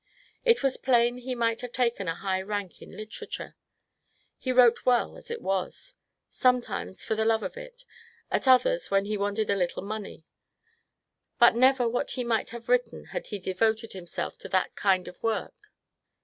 It was plain he might have taken a high rank in literature. He wrote well, as it was, — sometimes for the love of it, at others when he wanted a little money, but never what he might have written had he devoted himself to that kind of work.